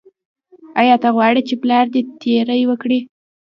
ایا ته غواړې چې پلار دې تیری وکړي.